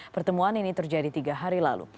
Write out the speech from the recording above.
pertemuan ini terjadi tiga hari lalu